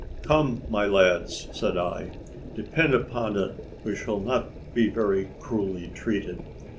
"Come, my lads," said I, "depend upon it we shall not be very cruelly treated.